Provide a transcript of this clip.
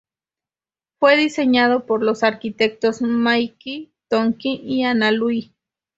Fue diseñado por los arquitectos Mike Tonkin y Anna Liu.